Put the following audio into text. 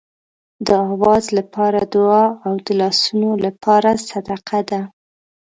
د آواز لپاره دعا او د لاسونو لپاره صدقه ده.